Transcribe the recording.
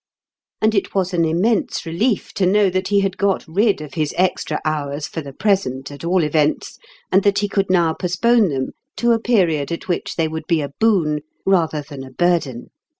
And it was an immense relief to know that he had got rid of his extra hours for the present, at all events, and that he could now postpone them to a period at which they would be a boon rather than a burden.